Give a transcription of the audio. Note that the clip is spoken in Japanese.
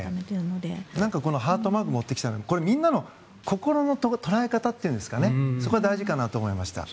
ハートマークを持ってきたのはみんなの心の捉え方そこは大事かなと思いました。